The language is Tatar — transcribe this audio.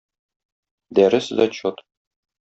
Дәрес-зачет.